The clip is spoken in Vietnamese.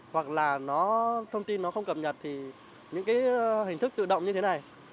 hoặc là thông tin nó không cập nhật thì những hình thức tự động như thế này